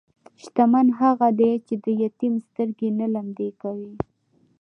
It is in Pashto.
شتمن هغه دی چې د یتیم سترګې نه لمدې کوي.